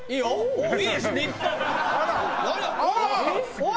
おい！